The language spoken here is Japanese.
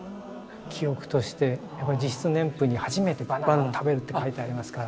記憶として自筆年譜に「初めてバナナを食べる」って書いてありますから。